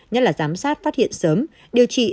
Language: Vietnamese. nhất là giám sát phát hiện sớm điều trị